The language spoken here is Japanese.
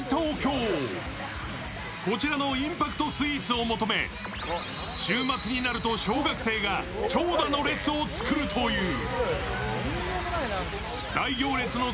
こちらのインパクトスイーツを求め週末になると小学生が長蛇の列を作るという。